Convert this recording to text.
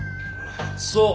そう。